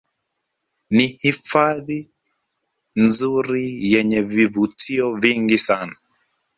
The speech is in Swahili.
Ni hifadhi nzuri yenye vivutio vingi sana